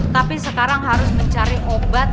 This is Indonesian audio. tapi sekarang harus mencari obat